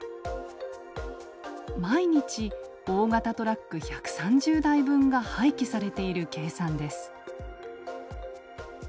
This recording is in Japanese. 毎日大型トラック１３０台分が廃棄されている計算です。